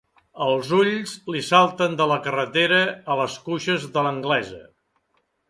Els ulls li salten de la carretera a les cuixes de l'anglesa.